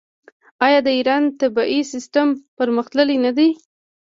آیا د ایران طبي سیستم پرمختللی نه دی؟